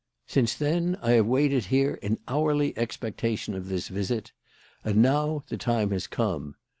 Since then, I have waited here in hourly expectation of this visit. And now the time has come.